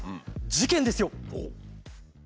事件ですよ。